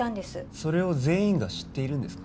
それを全員が知っているんですか